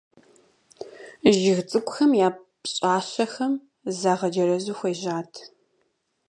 Жыг цӀыкӀухэм я пщӀащэхэм загъэджэрэзу хуежьат.